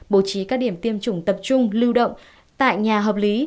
bố trí các điểm tiêm chủng tập trung lưu động tại nhà hợp lý